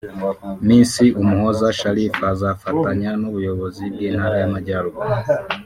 Miss Umuhoza Sharifa azafatanya n’Ubuyobozi bw’Intara y’Amajyaruguru